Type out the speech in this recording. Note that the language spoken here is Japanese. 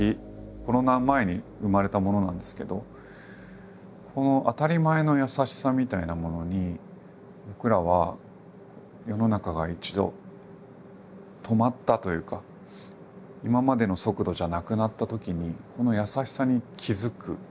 コロナ前に生まれたものなんですけどこの当たり前の優しさみたいなものに僕らは世の中が一度止まったというか今までの速度じゃなくなったときにこの優しさに気付く。